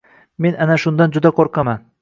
Men ana shundan juda qo‘rqaman.